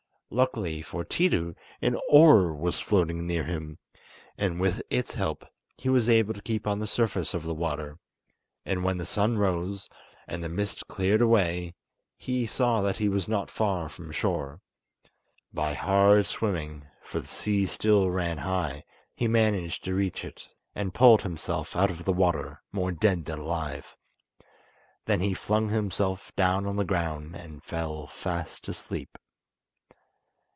Luckily for Tiidu an oar was floating near him, and with its help he was able to keep on the surface of the water; and when the sun rose, and the mist cleared away, he saw that he was not far from shore. By hard swimming, for the sea still ran high, he managed to reach it, and pulled himself out of the water, more dead than alive. Then he flung himself down on the ground and fell fast asleep.